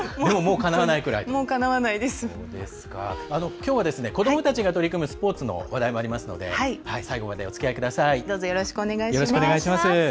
きょうは子どもたちが取り組むスポーツの話題もありますので最後までおつきあいください。